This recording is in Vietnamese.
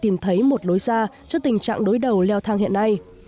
nga đã tìm thấy một lối ra cho tình trạng đối đầu leo thang hiện nay